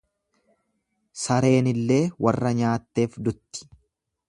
Sareenillee warra nyaatteef dutti.